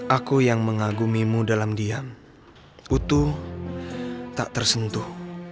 aku yang mengagumimu dalam diam utuh tak tersentuh